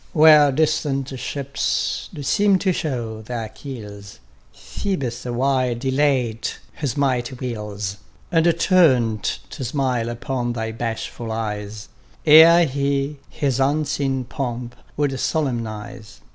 Where distant ships do seem to show their keels, Ph┼ōbus awhile delayed his mighty wheels, And turned to smile upon thy bashful eyes, Ere he his unseen pomp would solemnize.